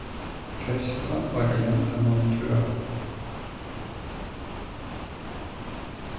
Vesper war gelernter Monteur.